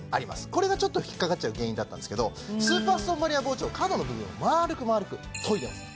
これがちょっと引っ掛かっちゃう原因だったんですけどスーパーストーンバリア包丁角の部分を丸く丸くといでます